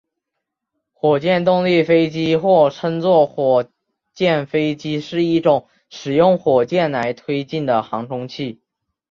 火箭动力飞机或称作火箭飞机是一种使用火箭来推进的航空器。